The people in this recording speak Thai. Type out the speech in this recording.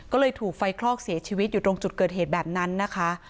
ก็เลยถูกไฟคลอกเสียชีวิตอยู่ตรงจุดเกิดเหตุแบบนั้นนะคะ